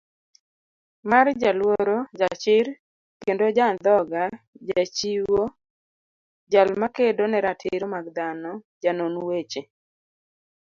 marJaluoro, jachir, kendoja andhoga Jachiwo, jalmakedo neratiro mag dhano, janon weche